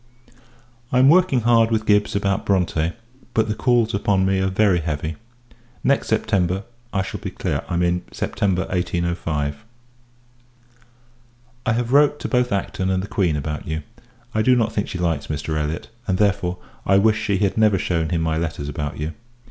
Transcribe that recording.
I am working hard with Gibbs about Bronte, but the calls upon me are very heavy. Next September, I shall be clear; I mean, September 1805. I have wrote to both Acton and the Queen about you. I do not think she likes Mr. Elliot; and, therefore, I wish she had never shewn him my letters about you.